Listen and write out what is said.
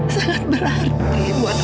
sangat berarti buat oma